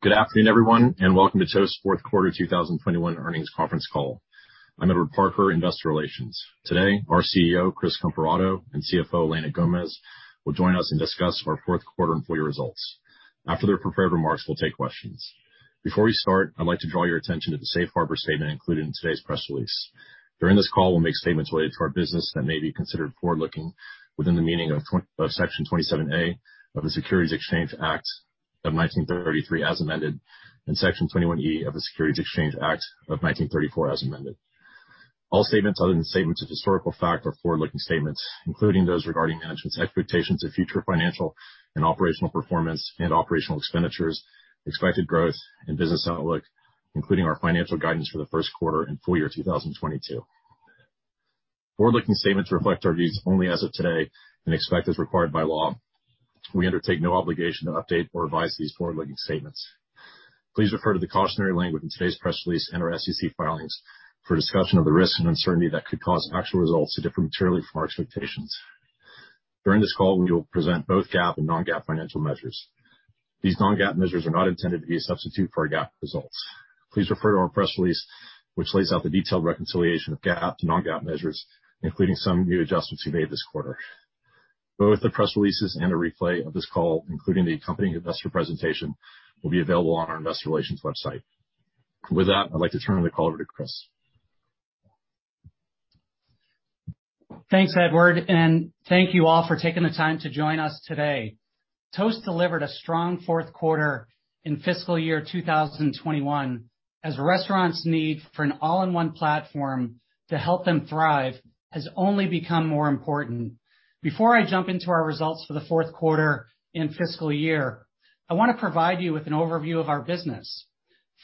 Good afternoon, everyone, and Welcome to Toast Fourth Quarter 2021 Earnings Conference Call. I'm Edward Parker, Investor Relations. Today, our Chief Executive Officer, Chris Comparato, and Chief Financial Officer, Elena Gomez, will join us and discuss our fourth quarter and full year results. After their prepared remarks, we'll take questions. Before we start, I'd like to draw your attention to the safe harbor statement included in today's press release. During this call, we'll make statements related to our business that may be considered forward-looking within the meaning of Section 27A of the Securities Act of 1933 as amended, and Section 21E of the Securities Exchange Act of 1934 as amended. All statements other than statements of historical fact are forward-looking statements, including those regarding management's expectations of future financial and operational performance and operational expenditures, expected growth and business outlook, including our financial guidance for the first quarter and full year 2022. Forward-looking statements reflect our views only as of today except as required by law. We undertake no obligation to update or revise these forward-looking statements. Please refer to the cautionary language in today's press release and our SEC filings for a discussion of the risks and uncertainties that could cause actual results to differ materially from our expectations. During this call, we will present both GAAP and non-GAAP financial measures. These non-GAAP measures are not intended to be a substitute for our GAAP results. Please refer to our press release, which lays out the detailed reconciliation of GAAP to non-GAAP measures, including some new adjustments we made this quarter. Both the press releases and a replay of this call, including the accompanying investor presentation, will be available on our investor relations website. With that, I'd like to turn the call over to Chris. Thanks, Edward, and thank you all for taking the time to join us today. Toast delivered a strong fourth quarter in fiscal year 2021 as restaurants' need for an all-in-one platform to help them thrive has only become more important. Before I jump into our results for the fourth quarter and fiscal year, I wanna provide you with an overview of our business.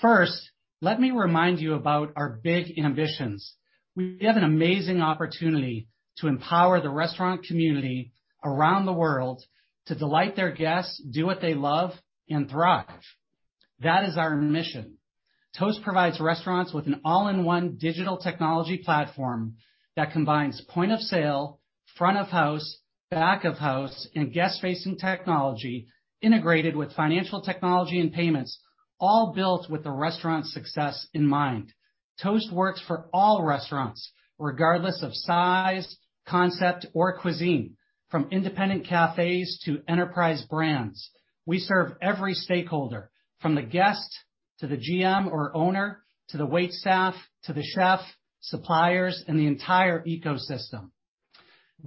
First, let me remind you about our big ambitions. We have an amazing opportunity to empower the restaurant community around the world to delight their guests, do what they love, and thrive. That is our mission. Toast provides restaurants with an all-in-one digital technology platform that combines point of sale, front of house, back of house, and guest-facing technology integrated with financial technology and payments, all built with the restaurant's success in mind. Toast works for all restaurants, regardless of size, concept or cuisine, from independent cafes to enterprise brands. We serve every stakeholder, from the guest to the GM or owner, to the waitstaff, to the chef, suppliers, and the entire ecosystem.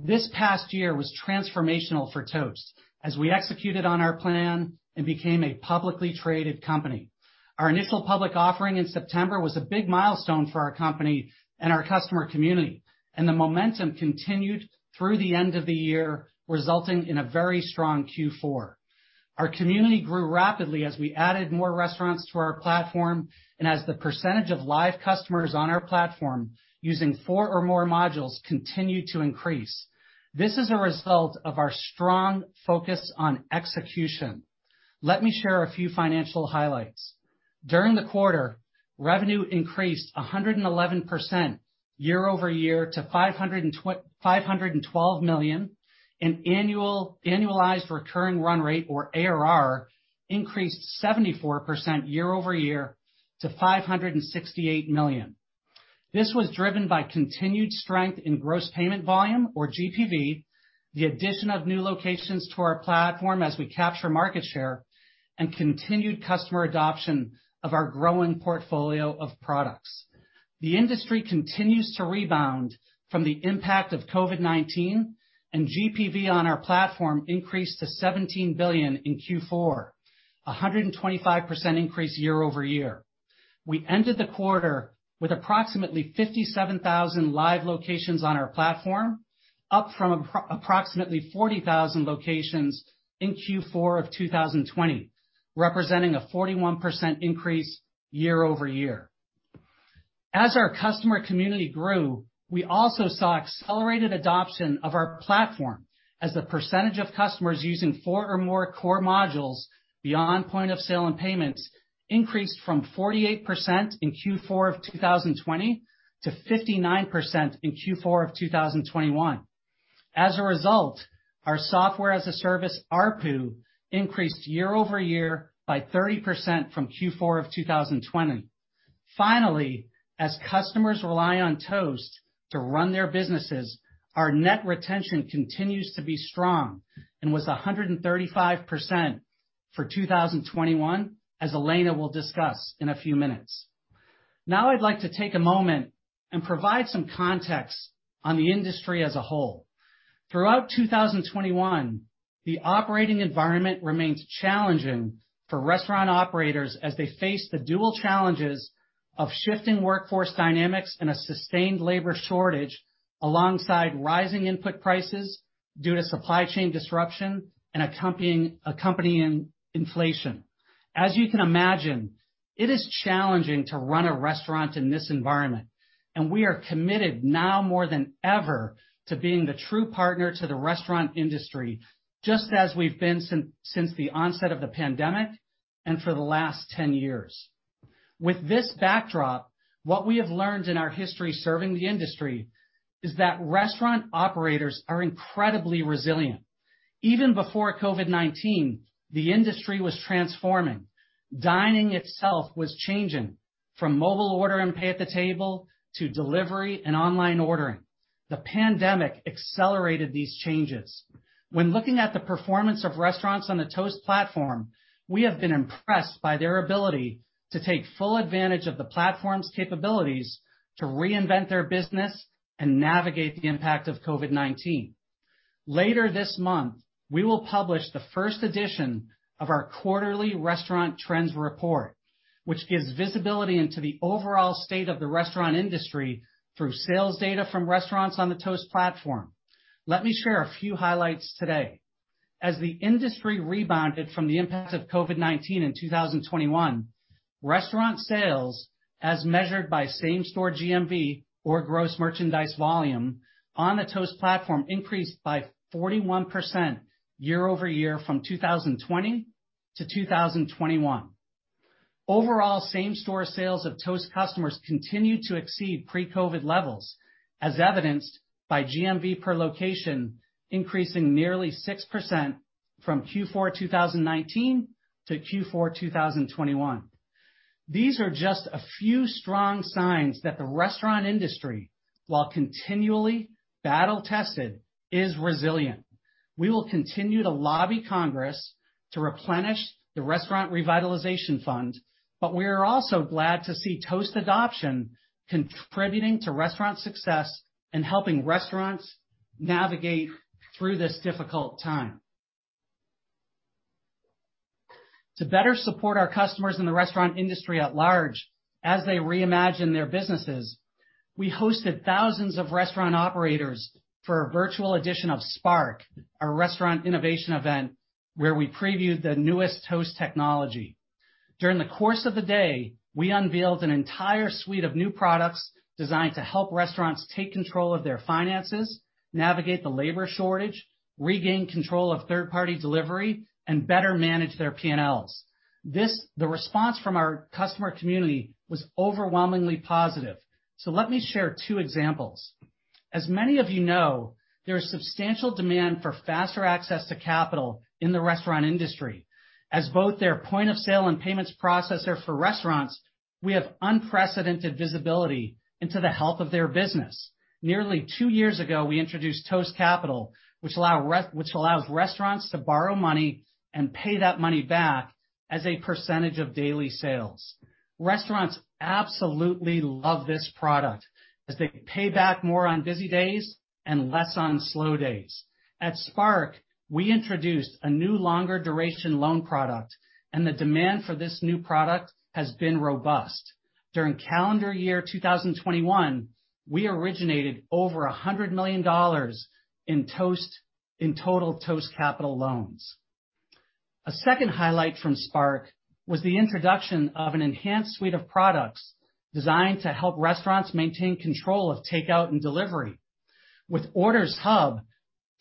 This past year was transformational for Toast as we executed on our plan and became a publicly traded company. Our initial public offering in September was a big milestone for our company and our customer community, and the momentum continued through the end of the year, resulting in a very strong Q4. Our community grew rapidly as we added more restaurants to our platform and as the percentage of live customers on our platform using four or more modules continued to increase. This is a result of our strong focus on execution. Let me share a few financial highlights. During the quarter, revenue increased 111% year-over-year to $512 million, and annual, annualized recurring run rate, or ARR, increased 74% year-over-year to $568 million. This was driven by continued strength in gross payment volume, or GPV, the addition of new locations to our platform as we capture market share, and continued customer adoption of our growing portfolio of products. The industry continues to rebound from the impact of COVID-19, and GPV on our platform increased to $17 billion in Q4, a 125% increase year-over-year. We ended the quarter with approximately 57,000 live locations on our platform, up from approximately 40,000 locations in Q4 of 2020, representing a 41% increase year-over-year. As our customer community grew, we also saw accelerated adoption of our platform as the percentage of customers using four or more core modules beyond point of sale and payments increased from 48% in Q4 of 2020 to 59% in Q4 of 2021. As a result, our software-as-a-service ARPU increased year over year by 30% from Q4 of 2020. Finally, as customers rely on Toast to run their businesses, our net retention continues to be strong and was 135% for 2021, as Elena will discuss in a few minutes. Now I'd like to take a moment and provide some context on the industry as a whole. Throughout 2021, the operating environment remains challenging for restaurant operators as they face the dual challenges of shifting workforce dynamics and a sustained labor shortage alongside rising input prices due to supply chain disruption and accompanying inflation. As you can imagine, it is challenging to run a restaurant in this environment, and we are committed now more than ever to being the true partner to the restaurant industry just as we've been since the onset of the pandemic and for the last 10 years. With this backdrop, what we have learned in our history serving the industry is that restaurant operators are incredibly resilient. Even before COVID-19, the industry was transforming. Dining itself was changing from mobile order and pay at the table to delivery and online ordering. The pandemic accelerated these changes. When looking at the performance of restaurants on the Toast platform, we have been impressed by their ability to take full advantage of the platform's capabilities to reinvent their business and navigate the impact of COVID-19. Later this month, we will publish the first edition of our quarterly restaurant trends report, which gives visibility into the overall state of the restaurant industry through sales data from restaurants on the Toast platform. Let me share a few highlights today. As the industry rebounded from the impacts of COVID-19 in 2021, restaurant sales, as measured by same-store GMV or gross merchandise volume on the Toast platform, increased by 41% year-over-year from 2020 to 2021. Overall, same-store sales of Toast customers continued to exceed pre-COVID levels, as evidenced by GMV per location increasing nearly 6% from Q4 2019 to Q4 2021. These are just a few strong signs that the restaurant industry, while continually battle-tested, is resilient. We will continue to lobby Congress to replenish the Restaurant Revitalization Fund, but we are also glad to see Toast adoption contributing to restaurant success and helping restaurants navigate through this difficult time. To better support our customers in the restaurant industry at large as they reimagine their businesses, we hosted thousands of restaurant operators for a virtual edition of Spark, our restaurant innovation event, where we previewed the newest Toast technology. During the course of the day, we unveiled an entire suite of new products designed to help restaurants take control of their finances, navigate the labor shortage, regain control of third-party delivery, and better manage their PNLs. This, the response from our customer community was overwhelmingly positive. Let me share two examples. As many of you know, there is substantial demand for faster access to capital in the restaurant industry. As both their point of sale and payments processor for restaurants, we have unprecedented visibility into the health of their business. Nearly two years ago, we introduced Toast Capital, which allows restaurants to borrow money and pay that money back as a percentage of daily sales. Restaurants absolutely love this product as they pay back more on busy days and less on slow days. At Spark, we introduced a new longer duration loan product, and the demand for this new product has been robust. During calendar year 2021, we originated over $100 million in total Toast Capital loans. A second highlight from Spark was the introduction of an enhanced suite of products designed to help restaurants maintain control of takeout and delivery. With Orders Hub,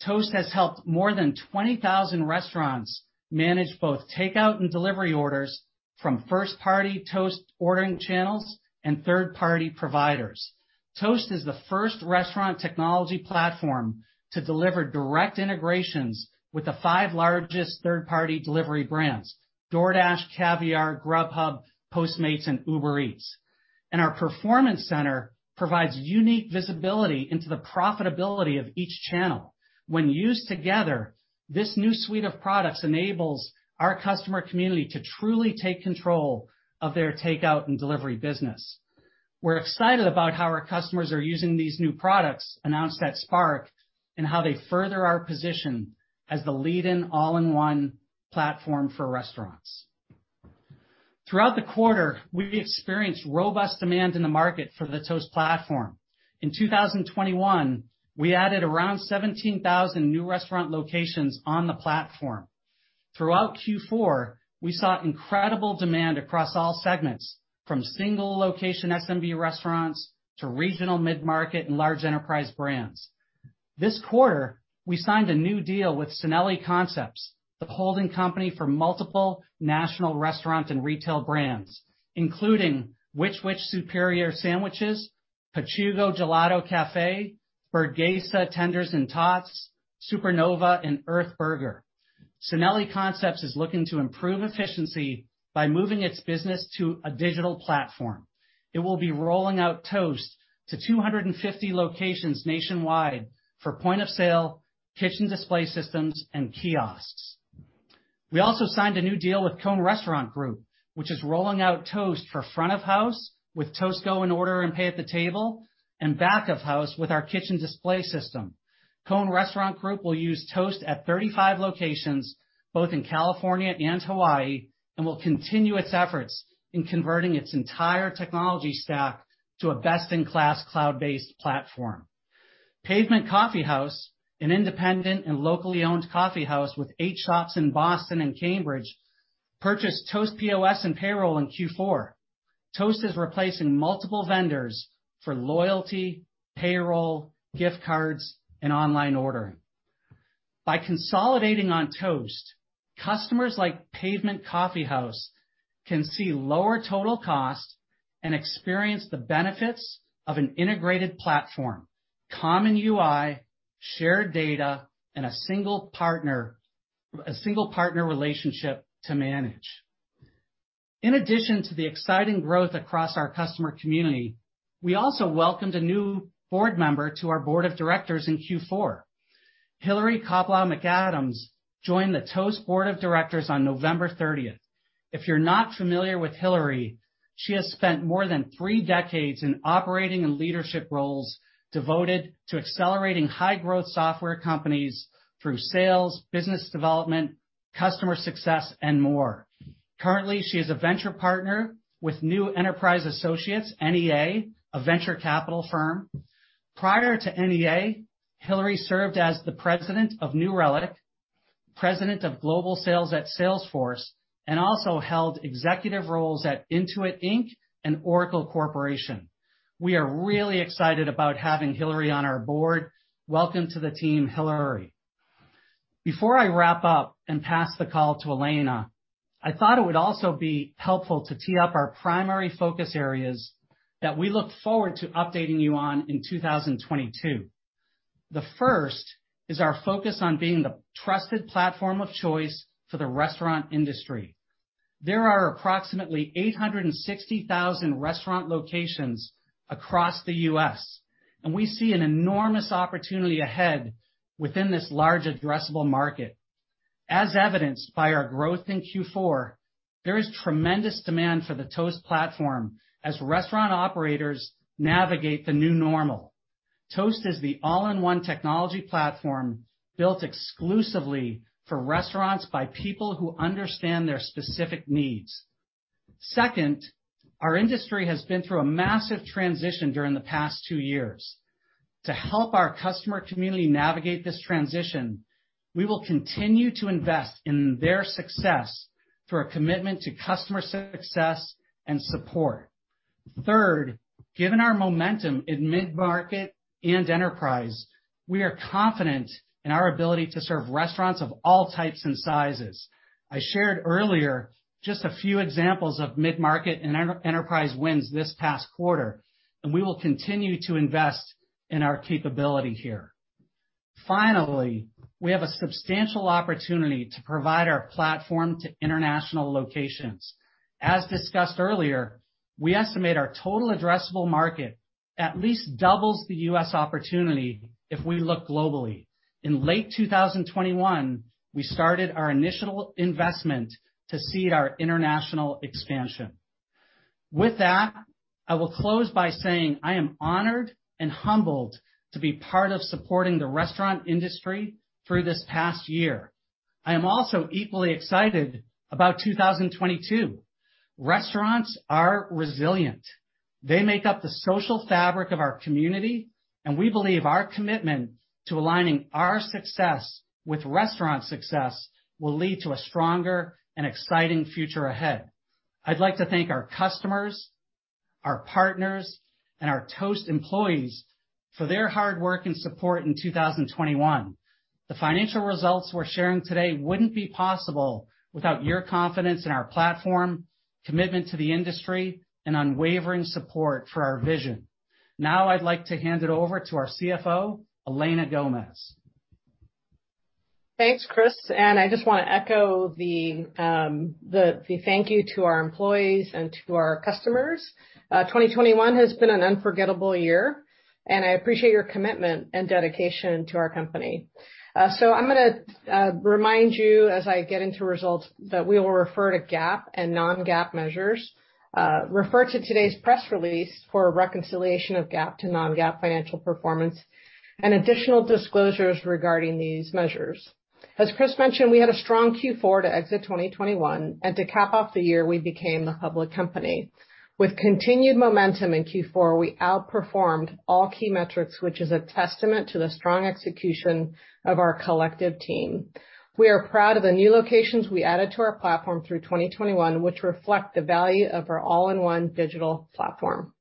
Toast has helped more than 20,000 restaurants manage both takeout and delivery orders from first-party Toast ordering channels and third-party providers. Toast is the first restaurant technology platform to deliver direct integrations with the five largest third-party delivery brands, DoorDash, Caviar, Grubhub, Postmates, and Uber Eats. Our Performance Center provides unique visibility into the profitability of each channel. When used together, this new suite of products enables our customer community to truly take control of their takeout and delivery business. We're excited about how our customers are using these new products announced at Spark and how they further our position as the leading all-in-one platform for restaurants. Throughout the quarter, we've experienced robust demand in the market for the Toast platform. In 2021, we added around 17,000 new restaurant locations on the platform. Throughout Q4, we saw incredible demand across all segments, from single-location SMB restaurants to regional mid-market and large enterprise brands. This quarter, we signed a new deal with Sinelli Concepts, the holding company for multiple national restaurant and retail brands, including Which Wich? Superior Sandwiches, Paciugo Gelato & Caffè, Burguesa Burger: Tenders and Tots., Supernova, and Earth Burger. Sinelli Concepts is looking to improve efficiency by moving its business to a digital platform. It will be rolling out Toast to 250 locations nationwide for point-of-sale, Kitchen Display Systems, and kiosks. We also signed a new deal with Cohn Restaurant Group, which is rolling out Toast for front of house with Toast Go in order and pay at the table, and back of house with our kitchen display system. Cohn Restaurant Group will use Toast at 35 locations, both in California and Hawaii, and will continue its efforts in converting its entire technology stack to a best-in-class cloud-based platform. Pavement Coffeehouse, an independent and locally-owned coffee house with eight shops in Boston and Cambridge, purchased Toast POS and Payroll in Q4. Toast is replacing multiple vendors for loyalty, payroll, gift cards, and online ordering. By consolidating on Toast, customers like Pavement Coffeehouse can see lower total costs and experience the benefits of an integrated platform, common UI, shared data, and a single partner, a single partner relationship to manage. In addition to the exciting growth across our customer community, we also welcomed a new board member to our board of directors in Q4. Hilarie Koplow-McAdams joined the Toast board of directors on November thirtieth. If you're not familiar with Hilarie, she has spent more than three decades in operating and leadership roles devoted to accelerating high-growth software companies through sales, business development, customer success, and more. Currently, she is a venture partner with New Enterprise Associates, NEA, a venture capital firm. Prior to NEA, Hilarie served as the president of New Relic, president of global sales at Salesforce, and also held executive roles at Intuit Inc. and Oracle Corporation. We are really excited about having Hilarie on our board. Welcome to the team, Hilarie. Before I wrap up and pass the call to Elena, I thought it would also be helpful to tee up our primary focus areas that we look forward to updating you on in 2022. The first is our focus on being the trusted platform of choice for the restaurant industry. There are approximately 860,000 restaurant locations across the U.S., and we see an enormous opportunity ahead within this large addressable market. As evidenced by our growth in Q4, there is tremendous demand for the Toast platform as restaurant operators navigate the new normal. Toast is the all-in-one technology platform built exclusively for restaurants by people who understand their specific needs. Second, our industry has been through a massive transition during the past two years. To help our customer community navigate this transition, we will continue to invest in their success through our commitment to customer success and support. Third, given our momentum in mid-market and enterprise, we are confident in our ability to serve restaurants of all types and sizes. I shared earlier just a few examples of mid-market and enterprise wins this past quarter, and we will continue to invest in our capability here. Finally, we have a substantial opportunity to provide our platform to international locations. As discussed earlier, we estimate our total addressable market at least doubles the U.S. opportunity if we look globally. In late 2021, we started our initial investment to seed our international expansion. With that, I will close by saying I am honored and humbled to be part of supporting the restaurant industry through this past year. I am also equally excited about 2022. Restaurants are resilient. They make up the social fabric of our community, and we believe our commitment to aligning our success with restaurant success will lead to a stronger and exciting future ahead. I'd like to thank our customers, our partners, and our Toast employees for their hard work and support in 2021. The financial results we're sharing today wouldn't be possible without your confidence in our platform, commitment to the industry, and unwavering support for our vision. Now I'd like to hand it over to our Chief Financial Officer, Elena Gomez. Thanks, Chris. I just want to echo the thank you to our employees and to our customers. 2021 has been an unforgettable year, and I appreciate your commitment and dedication to our company. I'm gonna remind you as I get into results that we will refer to GAAP and non-GAAP measures. Refer to today's press release for a reconciliation of GAAP to non-GAAP financial performance and additional disclosures regarding these measures. As Chris mentioned, we had a strong Q4 to exit 2021, and to cap off the year, we became a public company. With continued momentum in Q4, we outperformed all key metrics, which is a testament to the strong execution of our collective team. We are proud of the new locations we added to our platform through 2021, which reflect the value of our all-in-one digital platform.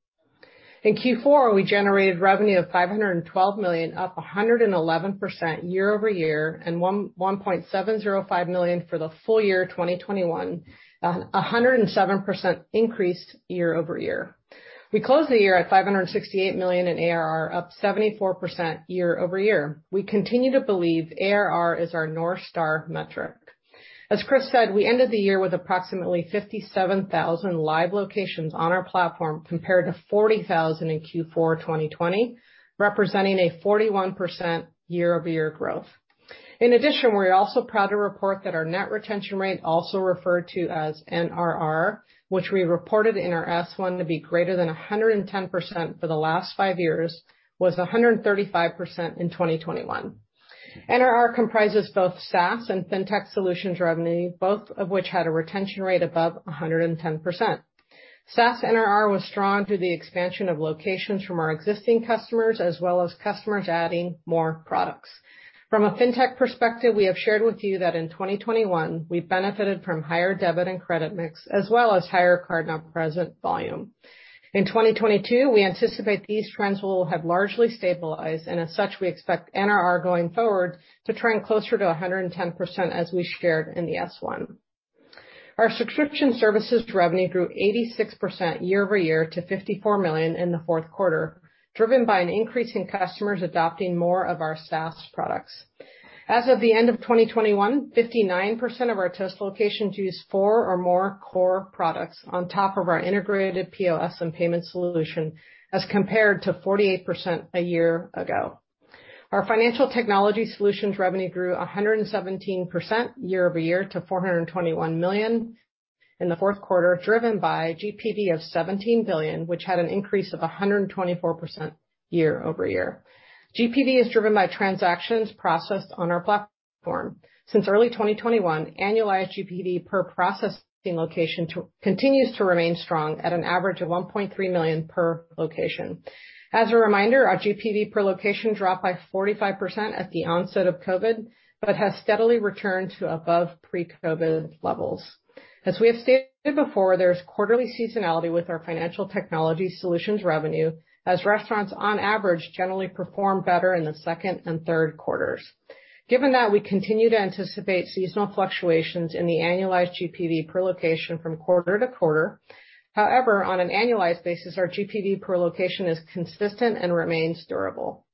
In Q4, we generated revenue of $512 million, up 111% year-over-year, and $1.105 billion for the full year 2021, a 107% increase year-over-year. We closed the year at $568 million in ARR, up 74% year-over-year. We continue to believe ARR is our North Star metric. As Chris said, we ended the year with approximately 57,000 live locations on our platform compared to 40,000 in Q4 2020, representing a 41% year-over-year growth. In addition, we're also proud to report that our net retention rate, also referred to as NRR, which we reported in our S-1 to be greater than 110% for the last five years, was 135% in 2021. NRR comprises both SaaS and Fintech solutions revenue, both of which had a retention rate above 110%. SaaS NRR was strong through the expansion of locations from our existing customers as well as customers adding more products. From a Fintech perspective, we have shared with you that in 2021, we benefited from higher debit and credit mix as well as higher card-not-present volume. In 2022, we anticipate these trends will have largely stabilized, and as such, we expect NRR going forward to trend closer to 110% as we shared in the S-1. Our subscription services revenue grew 86% year-over-year to $54 million in the fourth quarter, driven by an increase in customers adopting more of our SaaS products. As of the end of 2021, 59% of our Toast locations use four or more core products on top of our integrated POS and payment solution, as compared to 48% a year ago. Our financial technology solutions revenue grew 117% year-over-year to $421 million in the fourth quarter, driven by GPV of $17 billion, which had an increase of 124% year-over-year. GPV is driven by transactions processed on our platform. Since early 2021, annualized GPV per processing location continues to remain strong at an average of $1.3 million per location. As a reminder, our GPV per location dropped by 45% at the onset of COVID, but has steadily returned to above pre-COVID levels. As we have stated before, there is quarterly seasonality with our financial technology solutions revenue, as restaurants on average generally perform better in the second and third quarters. Given that, we continue to anticipate seasonal fluctuations in the annualized GPV per location from quarter to quarter. However, on an annualized basis, our GPV per location is consistent and remains durable.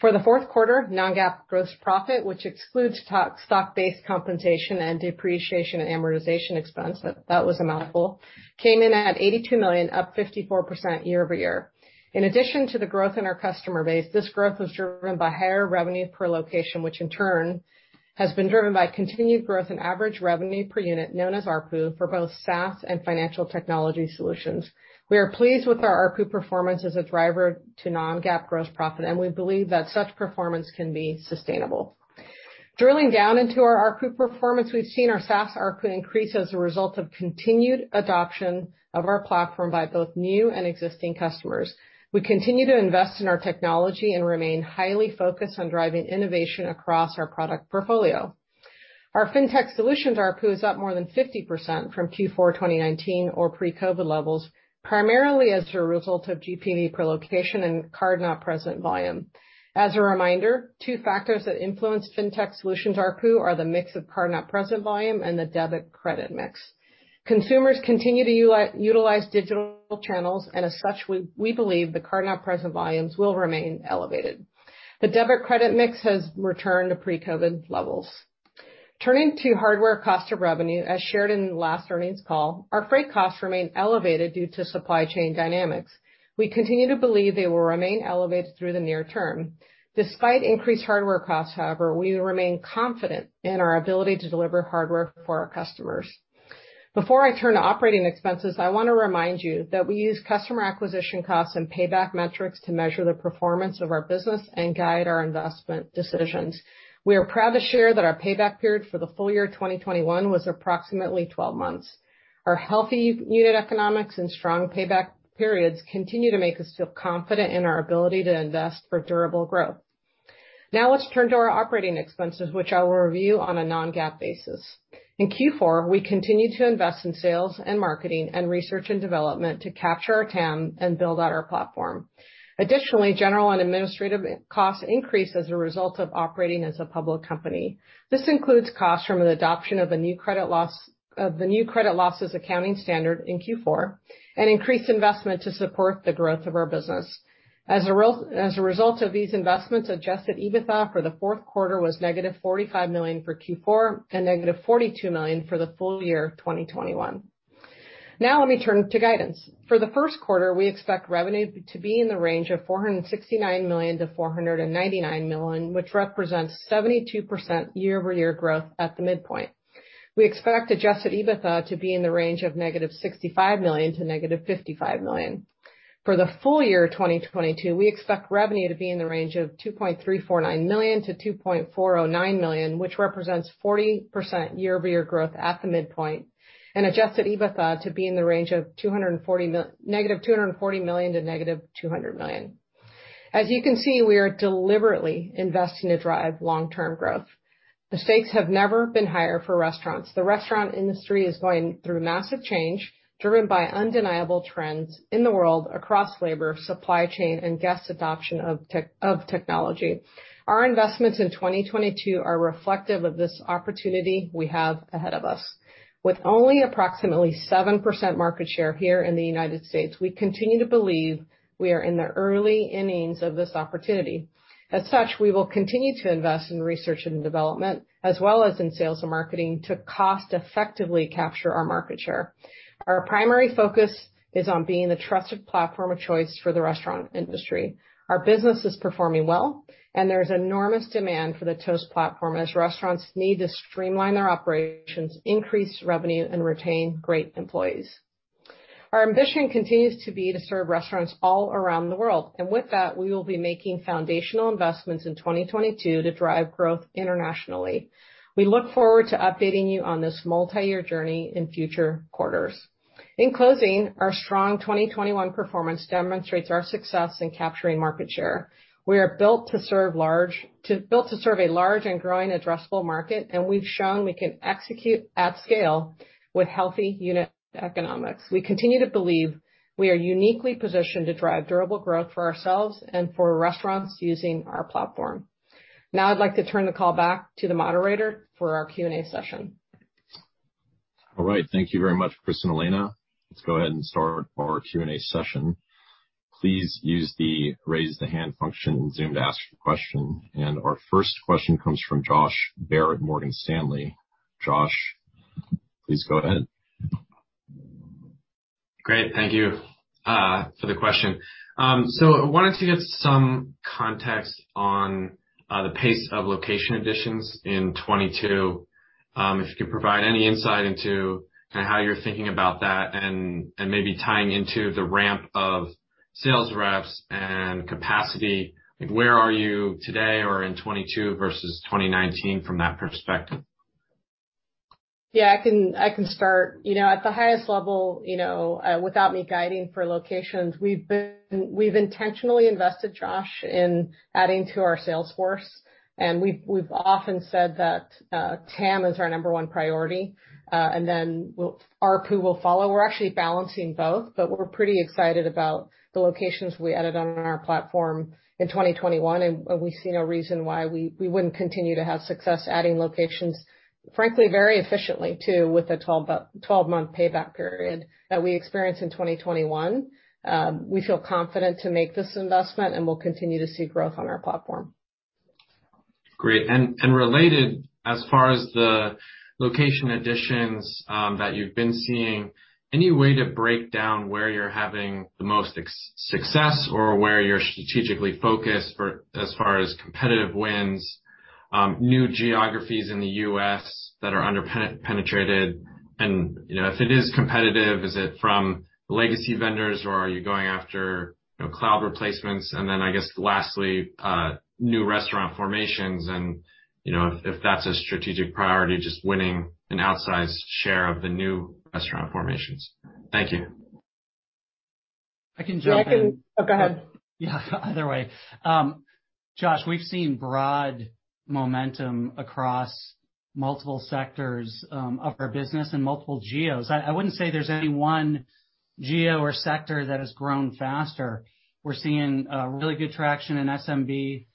For the fourth quarter, non-GAAP gross profit, which excludes stock-based compensation and depreciation and amortization expense, that was a mouthful, came in at $82 million, up 54% year-over-year. In addition to the growth in our customer base, this growth was driven by higher revenue per location, which in turn has been driven by continued growth in average revenue per unit, known as ARPU, for both SaaS and financial technology solutions. We are pleased with our ARPU performance as a driver to non-GAAP gross profit, and we believe that such performance can be sustainable. Drilling down into our ARPU performance, we've seen our SaaS ARPU increase as a result of continued adoption of our platform by both new and existing customers. We continue to invest in our technology and remain highly focused on driving innovation across our product portfolio. Our Fintech solutions ARPU is up more than 50% from Q4 2019 to pre-COVID levels, primarily as a result of GPV per location and card-not-present volume. As a reminder, two factors that influence Fintech solutions ARPU are the mix of card-not-present volume and the debit/credit mix. Consumers continue to utilize digital channels, and as such, we believe the card-not-present volumes will remain elevated. The debit/credit mix has returned to pre-COVID levels. Turning to hardware cost of revenue, as shared in last earnings call, our freight costs remain elevated due to supply chain dynamics. We continue to believe they will remain elevated through the near term. Despite increased hardware costs, however, we remain confident in our ability to deliver hardware for our customers. Before I turn to operating expenses, I want to remind you that we use customer acquisition costs and payback metrics to measure the performance of our business and guide our investment decisions. We are proud to share that our payback period for the full year 2021 was approximately 12 months. Our healthy unit economics and strong payback periods continue to make us feel confident in our ability to invest for durable growth. Now let's turn to our operating expenses, which I will review on a non-GAAP basis. In Q4, we continued to invest in sales and marketing and research and development to capture our TAM and build out our platform. Additionally, general and administrative costs increased as a result of operating as a public company. This includes costs from the adoption of the new credit losses accounting standard in Q4 and increased investment to support the growth of our business. As a result of these investments, adjusted EBITDA for the fourth quarter was -$45 million for Q4, and -$42 million for the full year 2021. Now let me turn to guidance. For the first quarter, we expect revenue to be in the range of $469 million-$499 million, which represents 72% year-over-year growth at the midpoint. We expect adjusted EBITDA to be in the range of -$65 million to -$55 million. For the full year 2022, we expect revenue to be in the range of $2.349 million-$2.409 million, which represents 40% year-over-year growth at the midpoint, and adjusted EBITDA to be in the range of -$240 million to -$200 million. As you can see, we are deliberately investing to drive long-term growth. The stakes have never been higher for restaurants. The restaurant industry is going through massive change driven by undeniable trends in the world across labor, supply chain, and guest adoption of technology. Our investments in 2022 are reflective of this opportunity we have ahead of us. With only approximately 7% market share here in the United States, we continue to believe we are in the early innings of this opportunity. As such, we will continue to invest in research and development as well as in sales and marketing to cost effectively capture our market share. Our primary focus is on being the trusted platform of choice for the restaurant industry. Our business is performing well, and there's enormous demand for the Toast platform as restaurants need to streamline their operations, increase revenue, and retain great employees. Our ambition continues to be to serve restaurants all around the world, and with that, we will be making foundational investments in 2022 to drive growth internationally. We look forward to updating you on this multi-year journey in future quarters. In closing, our strong 2021 performance demonstrates our success in capturing market share. We are built to serve a large and growing addressable market, and we've shown we can execute at scale with healthy unit economics. We continue to believe we are uniquely positioned to drive durable growth for ourselves and for restaurants using our platform. Now I'd like to turn the call back to the moderator for our Q&A session. All right. Thank you very much, Chris and Elena. Let's go ahead and start our Q&A session. Please use the Raise Hand function in Zoom to ask your question. Our first question comes from Josh Baer, Morgan Stanley. Josh, please go ahead. Great. Thank you for the question. So I wanted to get some context on the pace of location additions in 2022. If you could provide any insight into kinda how you're thinking about that and maybe tying into the ramp of sales reps and capacity, like where are you today or in 2022 versus 2019 from that perspective? Yeah. I can start. You know, at the highest level, you know, without me guiding for locations, we've intentionally invested, Josh, in adding to our sales force. We've often said that TAM is our number one priority, and then ARPU will follow. We're actually balancing both, but we're pretty excited about the locations we added on our platform in 2021, and we see no reason why we wouldn't continue to have success adding locations, frankly very efficiently too, with a 12-month payback period that we experienced in 2021. We feel confident to make this investment, and we'll continue to see growth on our platform. Great. Related, as far as the location additions that you've been seeing, any way to break down where you're having the most success or where you're strategically focused for as far as competitive wins, new geographies in the U.S. that are underpenetrated, and, you know, if it is competitive, is it from legacy vendors, or are you going after, you know, cloud replacements? Then I guess lastly, new restaurant formations and, you know, if that's a strategic priority, just winning an outsized share of the new restaurant formations. Thank you. I can jump in. Oh, go ahead. Yeah, either way. Josh, we've seen broad momentum across multiple sectors of our business and multiple geos. I wouldn't say there's any one geo or sector that has grown faster. We're seeing really good traction in SMB,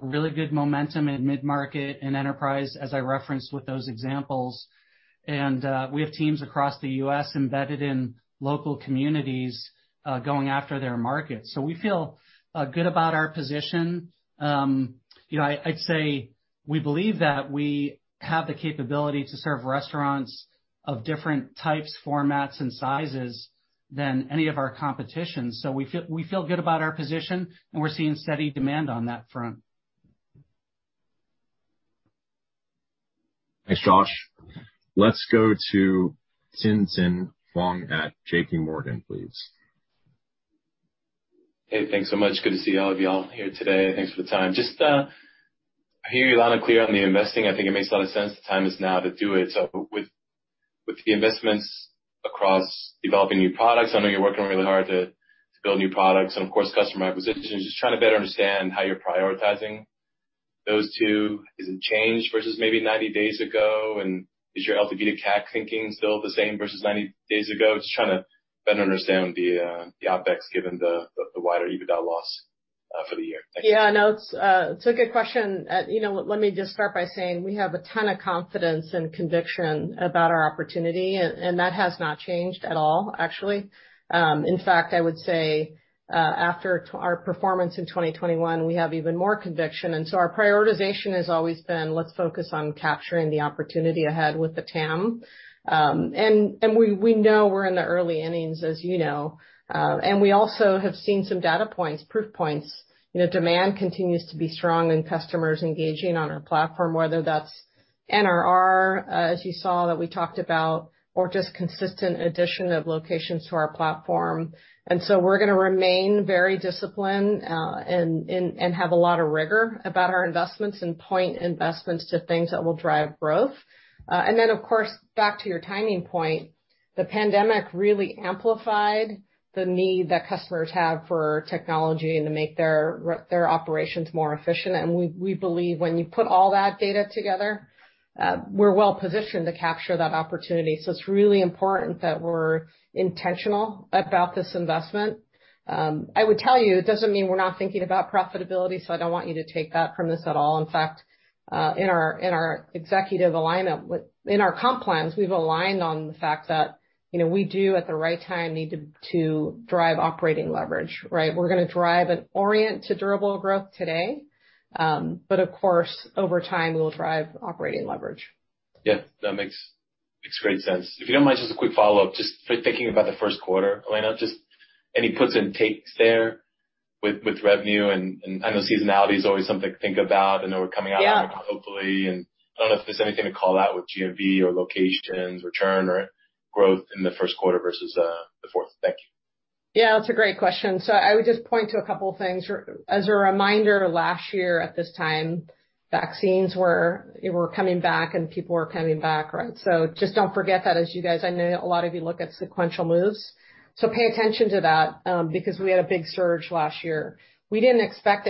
really good momentum in mid-market and enterprise, as I referenced with those examples. We have teams across the U.S. embedded in local communities going after their market. We feel good about our position. You know, I'd say we believe that we have the capability to serve restaurants of different types, formats, and sizes than any of our competition. We feel good about our position, and we're seeing steady demand on that front. Thanks, Josh. Let's go to Tien-tsin Huang at J.P. Morgan, please. Hey, thanks so much. Good to see all of y'all here today, and thanks for the time. Just, I hear you loud and clear on the investing. I think it makes a lot of sense. The time is now to do it. With, with the investments across developing new products, I know you're working really hard to build new products and of course customer acquisition. Just trying to better understand how you're prioritizing those two. Has it changed versus maybe 90 days ago? Is your LTV to CAC thinking still the same versus 90 days ago? Just trying to better understand the OpEx given the wider EBITDA loss for the year. Thank you. Yeah, no, it's a good question. You know, let me just start by saying we have a ton of confidence and conviction about our opportunity, and that has not changed at all actually. In fact, I would say, after our performance in 2021, we have even more conviction. Our prioritization has always been, let's focus on capturing the opportunity ahead with the TAM. We know we're in the early innings, as you know. We also have seen some data points, proof points. You know, demand continues to be strong and customers engaging on our platform, whether that's NRR, as you saw that we talked about or just consistent addition of locations to our platform. We're gonna remain very disciplined and have a lot of rigor about our investments and point investments to things that will drive growth. Of course, back to your timing point, the pandemic really amplified the need that customers have for technology and to make their operations more efficient. We believe when you put all that data together, we're well positioned to capture that opportunity. It's really important that we're intentional about this investment. I would tell you, it doesn't mean we're not thinking about profitability, so I don't want you to take that from this at all. In fact, in our executive alignment in our comp plans, we've aligned on the fact that, you know we do, at the right time, need to drive operating leverage, right? We're gonna drive and orient to durable growth today, but of course, over time, we will drive operating leverage. Yeah. That makes great sense. If you don't mind, just a quick follow-up, just thinking about the first quarter, Elena. Just any puts and takes there with revenue and I know seasonality is always something to think about, I know we're coming out. Yeah. Hopefully, I don't know if there's anything to call out with GMV or locations, revenue or growth in the first quarter versus the fourth. Thank you. Yeah, that's a great question. I would just point to a couple things. As a reminder, last year at this time, vaccines were, you know, coming back and people were coming back, right? Just don't forget that as you guys, I know a lot of you look at sequential moves, so pay attention to that, because we had a big surge last year. We didn't expect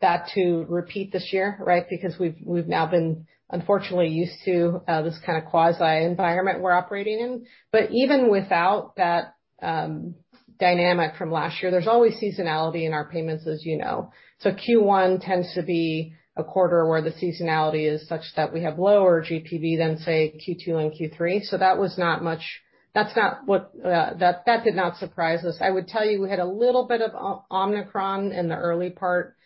that to repeat this year, right? Because we've now been, unfortunately, used to this kind of quasi environment we're operating in. Even without that, the dynamic from last year. There's always seasonality in our payments, as you know. Q1 tends to be a quarter where the seasonality is such that we have lower GPV than, say, Q2 and Q3. That's not what, that did not surprise us. I would tell you we had a little bit of Omicron in the early part,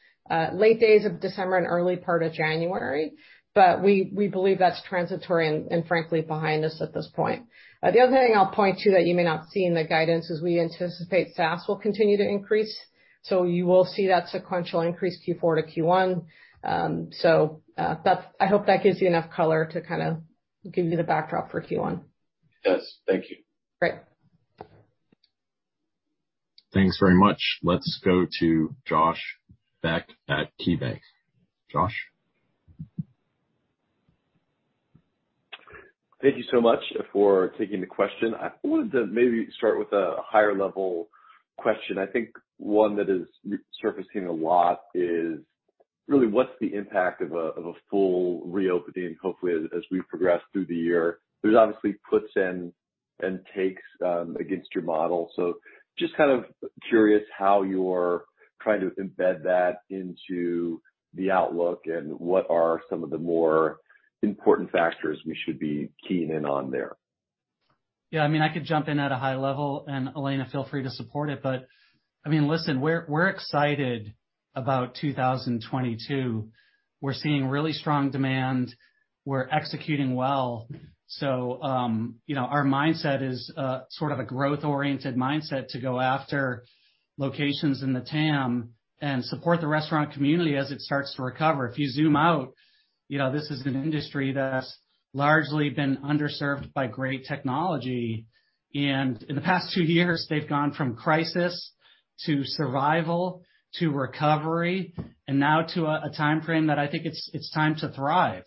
late days of December and early part of January, but we believe that's transitory and frankly behind us at this point. The other thing I'll point to that you may not see in the guidance is we anticipate SaaS will continue to increase, so you will see that sequential increase Q4 to Q1. I hope that gives you enough color to kinda give you the backdrop for Q1. It does. Thank you. Great. Thanks very much. Let's go to Josh Beck at KeyBanc. Josh? Thank you so much for taking the question. I wanted to maybe start with a higher level question. I think one that is re-surfacing a lot is really what's the impact of a full reopening, hopefully as we progress through the year? There's obviously puts and takes against your model, so just kind of curious how you're trying to embed that into the outlook and what are some of the more important factors we should be keying in on there. Yeah, I mean, I could jump in at a high level, and Elena feel free to support it, but I mean, listen, we're excited about 2022. We're seeing really strong demand. We're executing well. You know, our mindset is sort of a growth-oriented mindset to go after locations in the TAM and support the restaurant community as it starts to recover. If you zoom out, you know, this is an industry that's largely been underserved by great technology, and in the past two years, they've gone from crisis to survival to recovery, and now to a timeframe that I think it's time to thrive.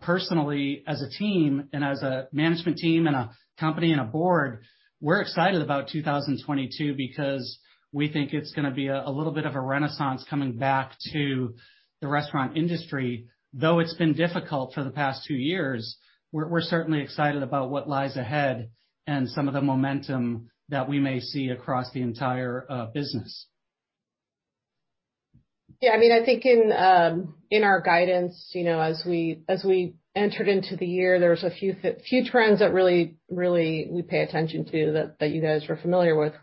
Personally, as a team and as a management team and a company and a board, we're excited about 2022 because we think it's gonna be a little bit of a renaissance coming back to the restaurant industry. Though it's been difficult for the past two years, we're certainly excited about what lies ahead and some of the momentum that we may see across the entire business. Yeah, I mean, I think in our guidance, you know, as we entered into the year, there was a few trends that really we pay attention to that you guys were familiar with,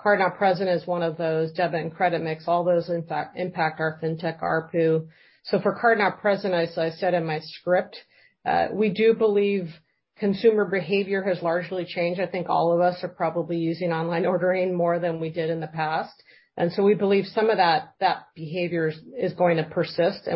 card-not-present is one of those, debit and credit mix, all those impact our Fintech ARPU. For card-not-present, as I said in my script, we do believe consumer behavior has largely changed. I think all of us are probably using online ordering more than we did in the past. We believe some of that behavior is going to persist,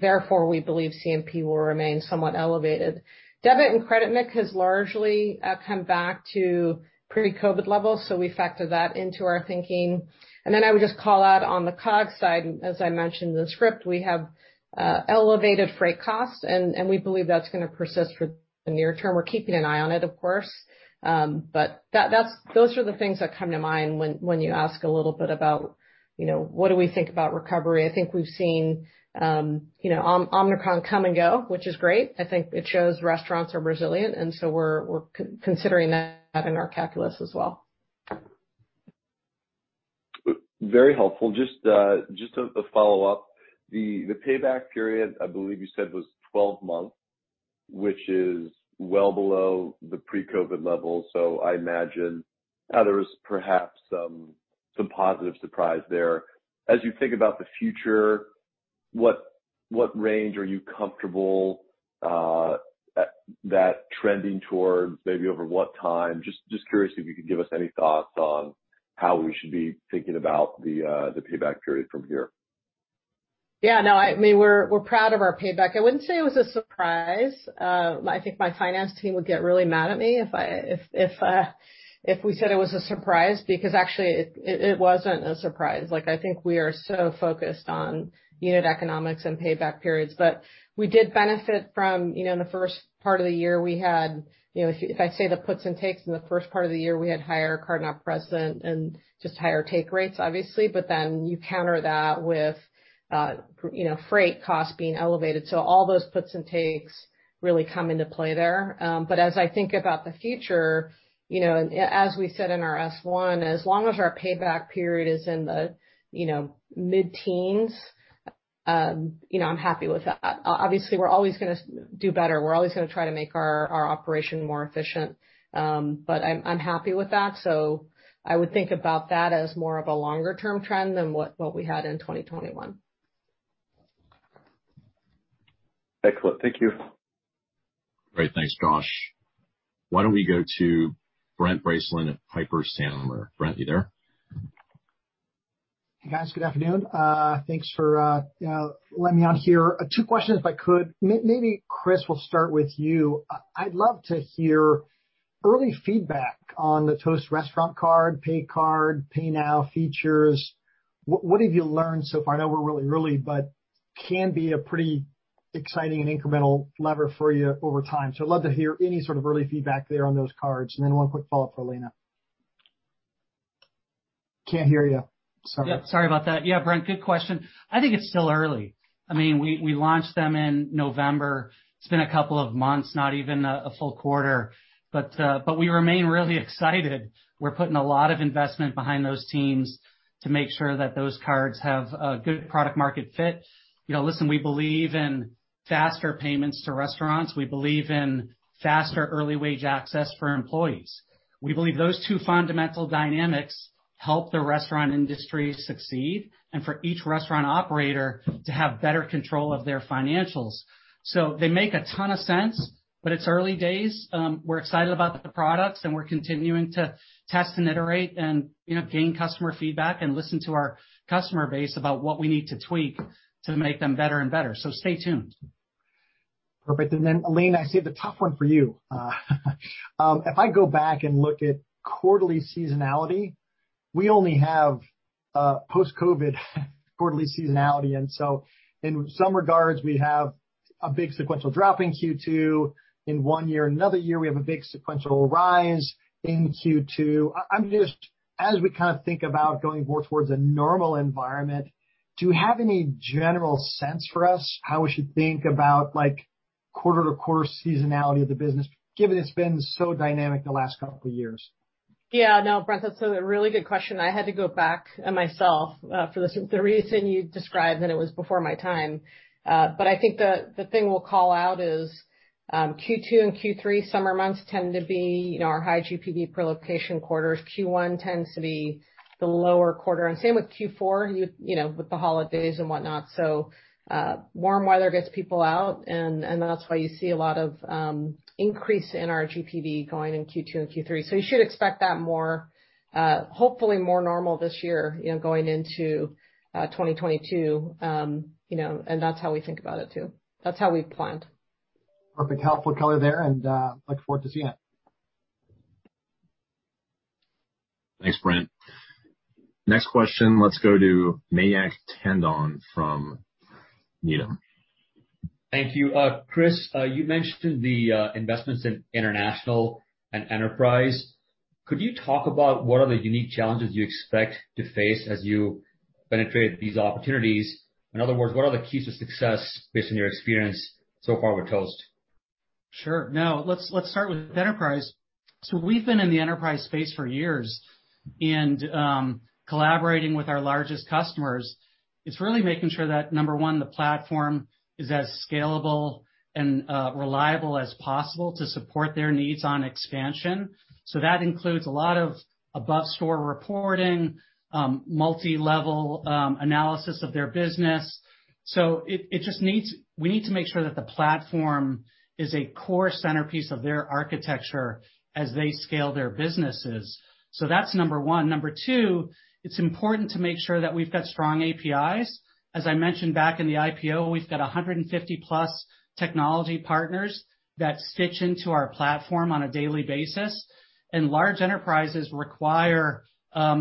therefore, we believe CNP will remain somewhat elevated. Debit and credit mix has largely come back to pre-COVID levels, so we factor that into our thinking. I would just call out on the COGS side, as I mentioned in the script, we have elevated freight costs, and we believe that's gonna persist for the near term. We're keeping an eye on it, of course. Those are the things that come to mind when you ask a little bit about, you know, what do we think about recovery. I think we've seen, you know, Omicron come and go, which is great. I think it shows restaurants are resilient and so we're considering that in our calculus as well. Very helpful. Just a follow-up. The payback period, I believe you said was 12 months, which is well below the pre-COVID levels. I imagine that there is perhaps some positive surprise there. As you think about the future, what range are you comfortable with that trending towards maybe over what time? Just curious if you could give us any thoughts on how we should be thinking about the payback period from here. Yeah, no, I mean, we're proud of our payback. I wouldn't say it was a surprise. I think my finance team would get really mad at me if we said it was a surprise because actually it wasn't a surprise. Like, I think we are so focused on unit economics and payback periods. We did benefit from, you know, in the first part of the year, we had, you know, if I say the puts and takes in the first part of the year, we had higher card-not-present and just higher take rates, obviously. Then you counter that with, you know, freight costs being elevated. All those puts and takes really come into play there. As I think about the future, you know, as we said in our S-1, as long as our payback period is in the, you know, mid-teens, I'm happy with that. Obviously, we're always gonna do better. We're always gonna try to make our operation more efficient. But I'm happy with that. I would think about that as more of a longer term trend than what we had in 2021. Excellent. Thank you. Great. Thanks, Josh. Why don't we go to Brent Bracelin at Piper Sandler? Brent, you there? Hey, guys. Good afternoon. Thanks for you know, letting me on here. Two questions, if I could. Maybe, Chris, we'll start with you. I'd love to hear early feedback on the Toast restaurant card, pay card, pay now features. What have you learned so far? I know we're really early, but it can be a pretty exciting and incremental lever for you over time. I'd love to hear any sort of early feedback there on those cards. Then one quick follow-up for Elena. Can't hear you. Sorry. Yeah, sorry about that. Yeah, Brent, good question. I think it's still early. I mean, we launched them in November. It's been a couple of months, not even a full quarter. We remain really excited. We're putting a lot of investment behind those teams to make sure that those cards have a good product market fit. You know, listen, we believe in faster payments to restaurants. We believe in faster early wage access for employees. We believe those two fundamental dynamics help the restaurant industry succeed and for each restaurant operator to have better control of their financials. They make a ton of sense, but it's early days. We're excited about the products, and we're continuing to test and iterate and, you know, gain customer feedback and listen to our customer base about what we need to tweak to make them better and better. Stay tuned. Perfect. Then, Elena, I save a tough one for you. If I go back and look at quarterly seasonality, we only have post-COVID quarterly seasonality, and so in some regards, we have a big sequential drop in Q2 in one year. Another year, we have a big sequential rise in Q2. I'm just, as we kind of think about going more towards a normal environment, do you have any general sense for us how we should think about, like, quarter-to-quarter seasonality of the business given it's been so dynamic the last couple years? Yeah. No, Brent, that's a really good question. I had to go back myself for this, the reason you described, and it was before my time. But I think the thing we'll call out is Q2 and Q3 summer months tend to be, you know, our high GPV per location quarters. Q1 tends to be the lower quarter, and same with Q4, you know, with the holidays and whatnot. Warm weather gets people out and that's why you see a lot of increase in our GPV going in Q2 and Q3. You should expect that more, hopefully more normal this year, you know, going into 2022. You know, that's how we think about it too. That's how we've planned. Perfect. Helpful color there and look forward to seeing it. Thanks, Brent. Next question, let's go to Mayank Tandon from Needham. Thank you. Chris, you mentioned the investments in international and enterprise. Could you talk about what are the unique challenges you expect to face as you penetrate these opportunities? In other words, what are the keys to success based on your experience so far with Toast? Sure. Now, let's start with enterprise. We've been in the enterprise space for years and collaborating with our largest customers. It's really making sure that, number one, the platform is as scalable and reliable as possible to support their needs on expansion. That includes a lot of above store reporting, multi-level analysis of their business. We need to make sure that the platform is a core centerpiece of their architecture as they scale their businesses. That's number one. Number two, it's important to make sure that we've got strong APIs. As I mentioned back in the IPO, we've got 150+ technology partners that stitch into our platform on a daily basis, and large enterprises require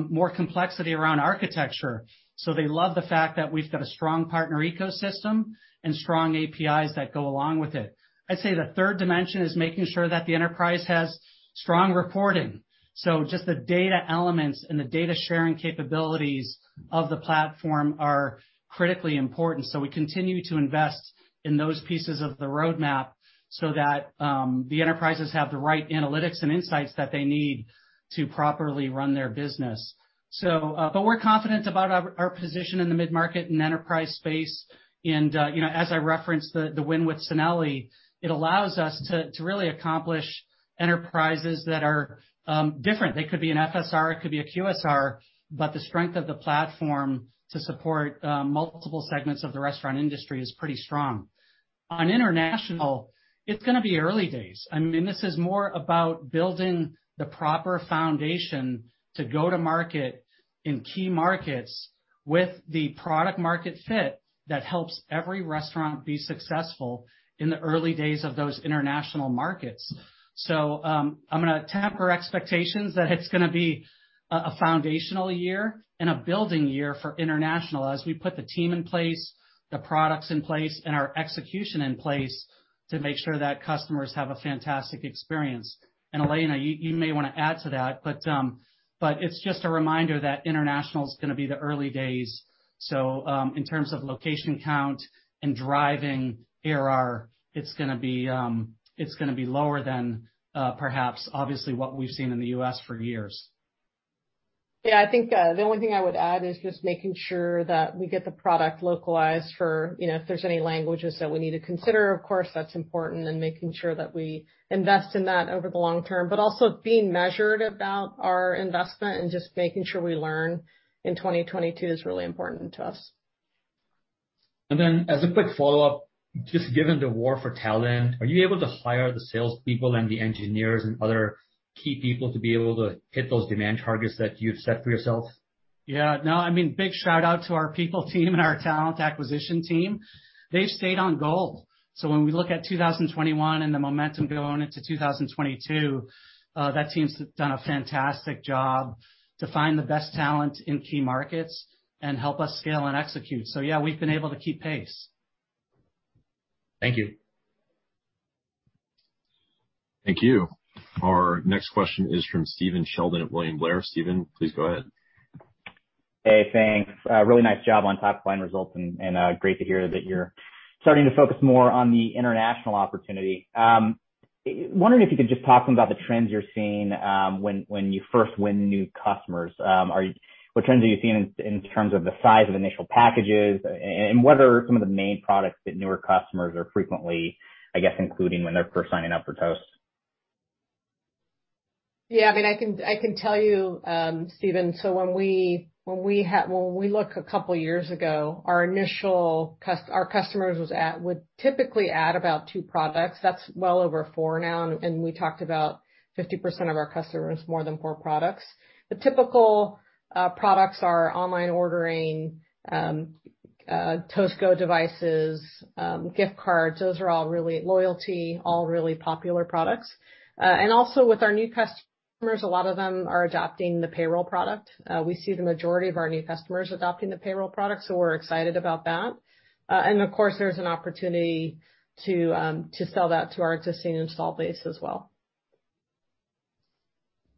more complexity around architecture. They love the fact that we've got a strong partner ecosystem and strong APIs that go along with it. I'd say the third dimension is making sure that the enterprise has strong reporting. Just the data elements and the data sharing capabilities of the platform are critically important, so we continue to invest in those pieces of the roadmap so that the enterprises have the right analytics and insights that they need to properly run their business. But we're confident about our position in the mid-market and enterprise space, and you know, as I referenced the win with Sinelli, it allows us to really approach enterprises that are different. They could be an FSR, it could be a QSR, but the strength of the platform to support multiple segments of the restaurant industry is pretty strong. On international, it's gonna be early days. I mean, this is more about building the proper foundation to go to market in key markets with the product market fit that helps every restaurant be successful in the early days of those international markets. I'm gonna temper expectations that it's gonna be a foundational year and a building year for international as we put the team in place, the products in place, and our execution in place to make sure that customers have a fantastic experience. Elena, you may wanna add to that, but it's just a reminder that international's gonna be the early days. In terms of location count and driving ARR, it's gonna be lower than perhaps obviously what we've seen in the U.S. for years. Yeah. I think, the only thing I would add is just making sure that we get the product localized for, you know, if there's any languages that we need to consider, of course, that's important, and making sure that we invest in that over the long term, but also being measured about our investment and just making sure we learn in 2022 is really important to us. As a quick follow-up, just given the war for talent, are you able to hire the salespeople and the engineers and other key people to be able to hit those demand targets that you've set for yourself? Yeah. No, I mean, big shout out to our people team and our talent acquisition team. They've stayed on goal. When we look at 2021 and the momentum going into 2022, that team's done a fantastic job to find the best talent in key markets and help us scale and execute. Yeah, we've been able to keep pace. Thank you. Thank you. Our next question is from Stephen Sheldon at William Blair. Stephen, please go ahead. Hey, thanks. Really nice job on top line results and great to hear that you're starting to focus more on the international opportunity. I'm wondering if you could just talk about the trends you're seeing when you first win new customers. What trends are you seeing in terms of the size of initial packages? And what are some of the main products that newer customers are frequently, I guess, including when they're first signing up for Toast? I can tell you, Stephen, when we look a couple years ago, our customers would typically add about two products. That's well over four now, and we talked about 50% of our customers more than four products. The typical products are online ordering, Toast Go devices, gift cards. Those are all really popular products. And also with our new customers, a lot of them are adopting the payroll product. We see the majority of our new customers adopting the payroll product, so we're excited about that. And of course, there's an opportunity to sell that to our existing install base as well.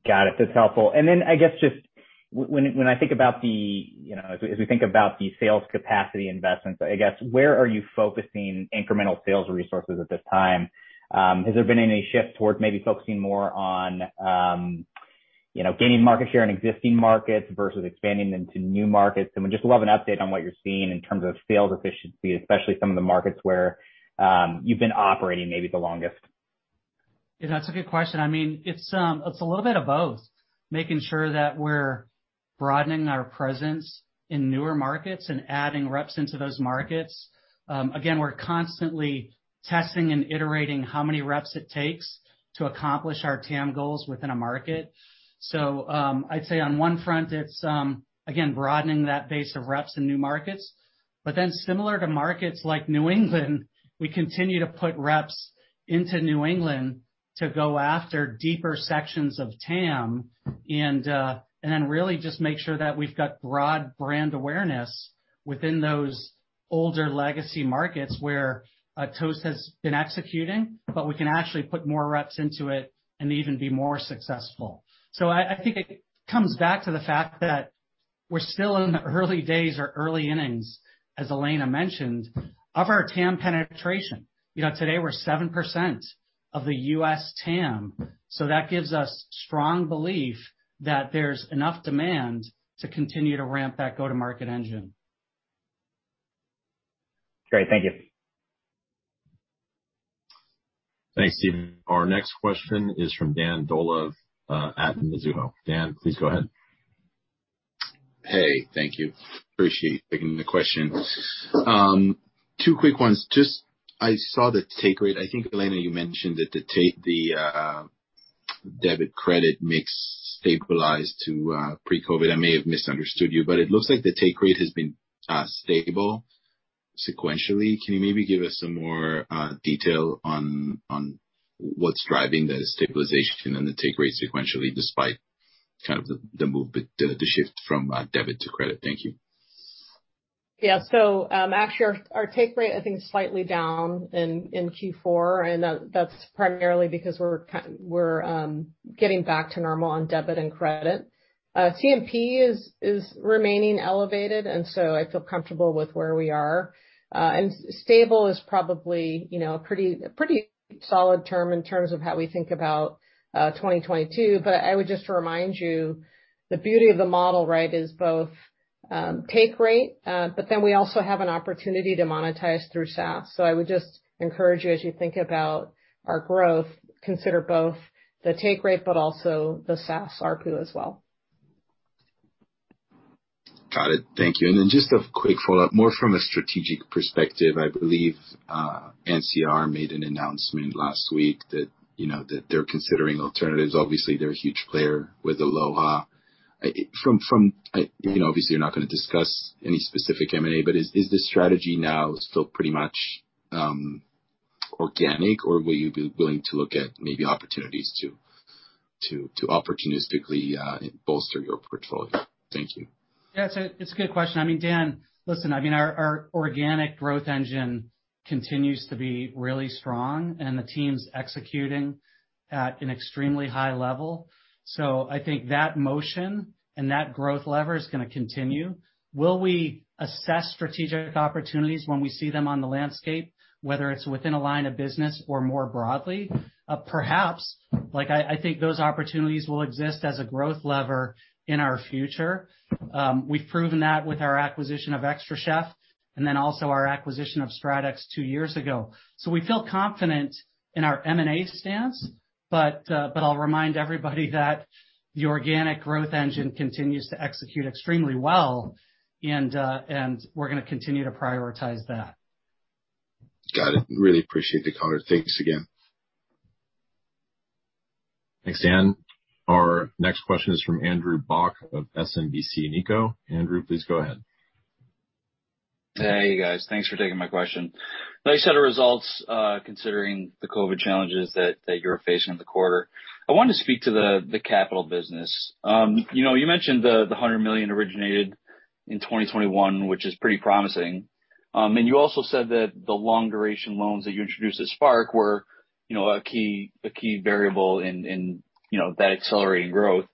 Got it. That's helpful. Then I guess just when I think about the, you know, as we think about the sales capacity investments, I guess, where are you focusing incremental sales resources at this time? Has there been any shift towards maybe focusing more on, you know, gaining market share in existing markets versus expanding into new markets? I would just love an update on what you're seeing in terms of sales efficiency, especially some of the markets where you've been operating maybe the longest. Yeah, that's a good question. I mean, it's a little bit of both. Making sure that we're broadening our presence in newer markets and adding reps into those markets. Again, we're constantly testing and iterating how many reps it takes to accomplish our TAM goals within a market. So, I'd say on one front, it's again, broadening that base of reps in new markets. But then similar to markets like New England, we continue to put reps into New England to go after deeper sections of TAM and then really just make sure that we've got broad brand awareness within those older legacy markets where Toast has been executing, but we can actually put more reps into it and even be more successful. I think it comes back to the fact that we're still in the early days or early innings, as Elena mentioned, of our TAM penetration. You know, today we're 7% of the U.S. TAM, so that gives us strong belief that there's enough demand to continue to ramp that go-to-market engine. Great. Thank you. Thanks, Stephen. Our next question is from Dan Dolev at Mizuho. Dan, please go ahead. Hey, thank you. Appreciate taking the questions. Two quick ones. Just I saw the take rate. I think, Elena, you mentioned that the debit credit mix stabilized to pre-COVID. I may have misunderstood you, but it looks like the take rate has been stable sequentially. Can you maybe give us some more detail on what's driving the stabilization and the take rate sequentially, despite kind of the shift from debit to credit? Thank you. Yeah. Actually our take rate, I think, is slightly down in Q4, and that's primarily because we're getting back to normal on debit and credit. CNP is remaining elevated, and so I feel comfortable with where we are. Stable is probably, you know, a pretty solid term in terms of how we think about 2022, but I would just remind you the beauty of the model, right, is both take rate, but then we also have an opportunity to monetize through SaaS. I would just encourage you, as you think about our growth, consider both the take rate but also the SaaS ARPU as well. Got it. Thank you. Just a quick follow-up, more from a strategic perspective. I believe NCR made an announcement last week that, you know, they're considering alternatives. Obviously, they're a huge player with Aloha. You're not gonna discuss any specific M&A, but is the strategy now still pretty much organic, or will you be willing to look at maybe opportunities to opportunistically bolster your portfolio? Thank you. Yeah, it's a good question. I mean, Dan, listen, I mean, our organic growth engine continues to be really strong and the team's executing at an extremely high level. I think that motion and that growth lever is gonna continue. Will we assess strategic opportunities when we see them on the landscape, whether it's within a line of business or more broadly? Perhaps. Like I think those opportunities will exist as a growth lever in our future. We've proven that with our acquisition of xtraCHEF and then also our acquisition of StratEx two years ago. We feel confident in our M&A stance, but I'll remind everybody that the organic growth engine continues to execute extremely well and we're gonna continue to prioritize that. Got it. Really appreciate the color. Thanks again. Thanks, Dan. Our next question is from Andrew Bauch of SMBC Nikko. Andrew, please go ahead. Hey, guys. Thanks for taking my question. Nice set of results, considering the COVID challenges that you're facing in the quarter. I wanted to speak to the capital business. You know, you mentioned the $100 million originated in 2021, which is pretty promising. And you also said that the long duration loans that you introduced at Spark were, you know, a key variable in, you know, that accelerating growth.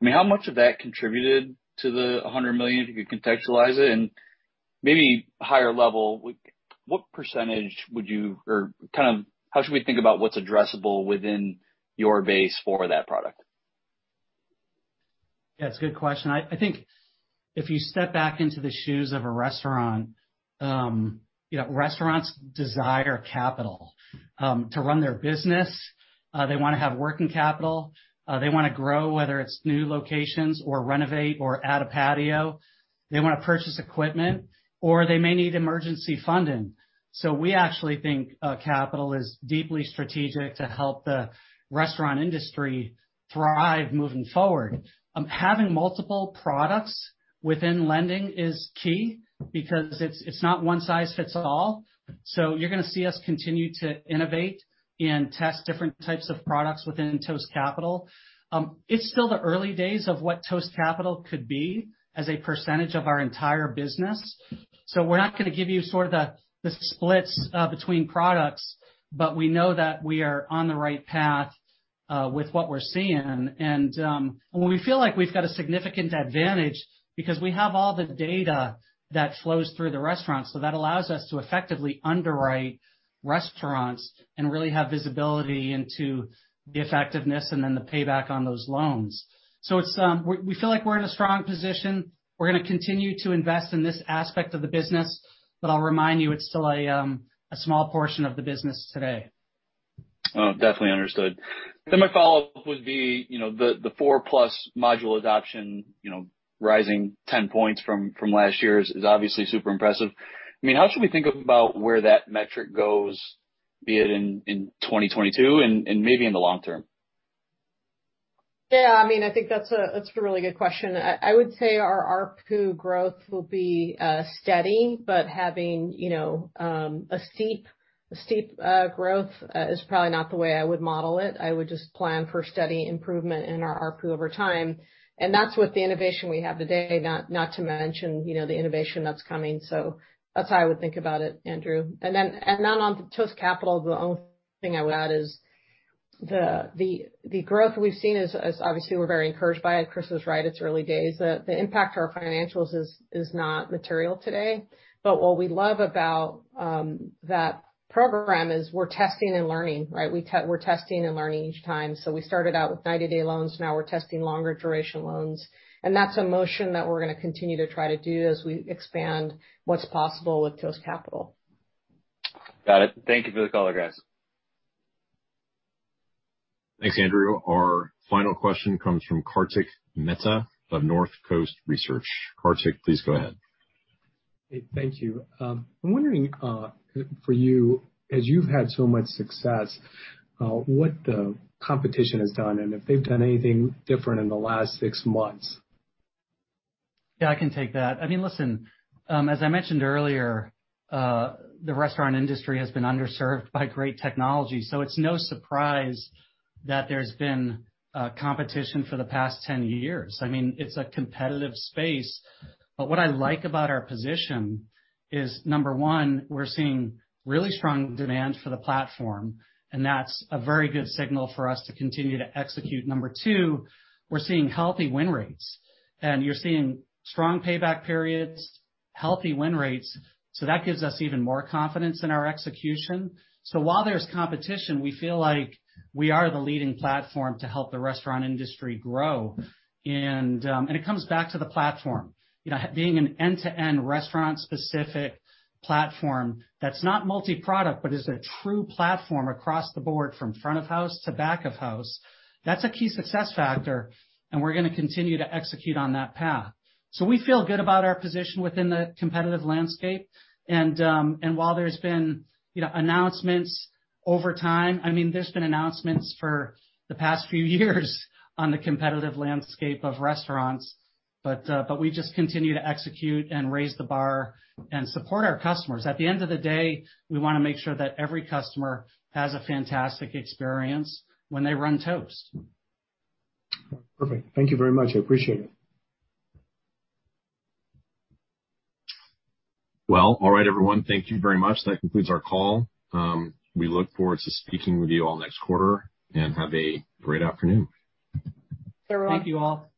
I mean, how much of that contributed to the $100 million, if you could contextualize it? And maybe higher level, what percentage would you. Or kind of how should we think about what's addressable within your base for that product? Yeah, it's a good question. I think if you step back into the shoes of a restaurant, you know, restaurants desire capital to run their business. They want to have working capital. They want to grow, whether it's new locations or renovate or add a patio. They want to purchase equipment, or they may need emergency funding. We actually think capital is deeply strategic to help the restaurant industry thrive moving forward. Having multiple products within lending is key because it's not one size fits all. You're going to see us continue to innovate and test different types of products within Toast Capital. It's still the early days of what Toast Capital could be as a percentage of our entire business. We're not going to give you sort of the splits between products, but we know that we are on the right path with what we're seeing. We feel like we've got a significant advantage because we have all the data that flows through the restaurant, so that allows us to effectively underwrite restaurants and really have visibility into the effectiveness and then the payback on those loans. We feel like we're in a strong position. We're going to continue to invest in this aspect of the business but I'll remind you, it's still a small portion of the business today. Oh, definitely understood. My follow-up would be, you know, the 4+ module adoption, you know, rising 10% from last year is obviously super impressive. I mean, how should we think about where that metric goes, be it in 2022 and maybe in the long term? Yeah. I mean, I think that's a really good question. I would say our ARPU growth will be steady, but having, you know, a steep growth is probably not the way I would model it. I would just plan for steady improvement in our ARPU over time. That's with the innovation we have today, not to mention, you know, the innovation that's coming. That's how I would think about it, Andrew. Then on Toast Capital, the only thing I would add is the growth we've seen is obviously we're very encouraged by it. Chris was right, it's early days. The impact to our financials is not material today. What we love about that program is we're testing and learning, right? We're testing and learning each time. We started out with 90-day loans. Now we're testing longer duration loans, and that's a motion that we're going to continue to try to do as we expand what's possible with Toast Capital. Got it. Thank you for the color, guys. Thanks, Andrew. Our final question comes from Kartik Mehta of Northcoast Research. Kartik, please go ahead. Hey. Thank you. I'm wondering, for you, as you've had so much success, what the competition has done, and if they've done anything different in the last six months. Yeah, I can take that. I mean, listen, as I mentioned earlier, the restaurant industry has been underserved by great technology, so it's no surprise that there's been competition for the past 10 years. I mean, it's a competitive space. What I like about our position is, number one, we're seeing really strong demand for the platform, and that's a very good signal for us to continue to execute. Number two, we're seeing healthy win rates, and you're seeing strong payback periods. That gives us even more confidence in our execution. While there's competition, we feel like we are the leading platform to help the restaurant industry grow. It comes back to the platform. You know, being an end-to-end restaurant specific platform that's not multi-product but is a true platform across the board from front of house to back of house, that's a key success factor, and we're going to continue to execute on that path. We feel good about our position within the competitive landscape. While there's been, you know, announcements over time, I mean, there's been announcements for the past few years on the competitive landscape of restaurants, but we just continue to execute and raise the bar and support our customers. At the end of the day, we want to make sure that every customer has a fantastic experience when they run Toast. Perfect. Thank you very much. I appreciate it. Well, all right, everyone. Thank you very much. That concludes our call. We look forward to speaking with you all next quarter, and have a great afternoon. Bye, everyone. Thank you, all.